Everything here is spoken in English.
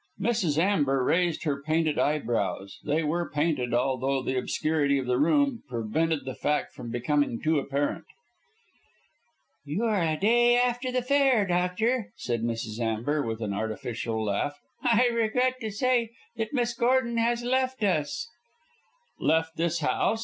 Mrs. Amber raised her painted eye brows they were painted, although the obscurity of the room prevented that fact becoming too apparent. "You are a day after the fair, doctor," said Mrs. Amber, with an artificial laugh. "I regret to say that Miss Gordon has left us." "Left this house?"